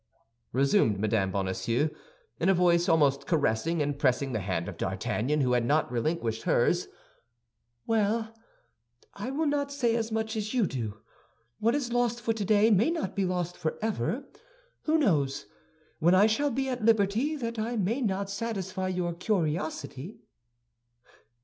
resumed Mme. Bonacieux, in a voice almost caressing, and pressing the hand of D'Artagnan, who had not relinquished hers, "well: I will not say as much as you do; what is lost for today may not be lost forever. Who knows, when I shall be at liberty, that I may not satisfy your curiosity?"